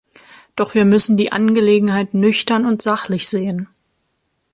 Doch wir müssen die Angelegenheit nüchtern und sachlich sehen.